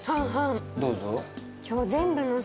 どうぞ。